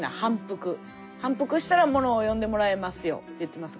反復したらものを読んでもらえますよって言ってます。